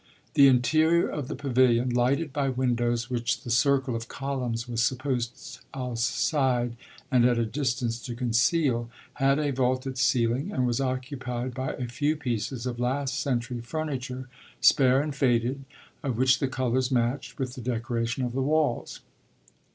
The interior of the pavilion, lighted by windows which the circle of columns was supposed outside and at a distance to conceal, had a vaulted ceiling and was occupied by a few pieces of last century furniture, spare and faded, of which the colours matched with the decoration of the walls.